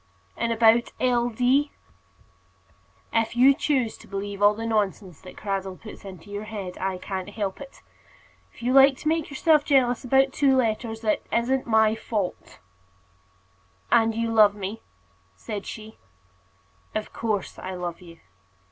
"And about L. D.?" "If you choose to believe all the nonsense that Cradell puts into your head, I can't help it. If you like to make yourself jealous about two letters, it isn't my fault." "And you love me?" said she. [ILLUSTRATION: "And you love me?" said she.] "Of course I love you."